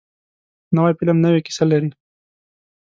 نوی فلم نوې کیسه لري